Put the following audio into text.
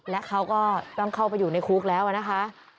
และเขาก็ต้องเข้าไปอยู่ในคุกแล้วนะคะ